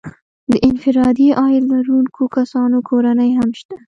د انفرادي عاید لرونکو کسانو کورنۍ هم شته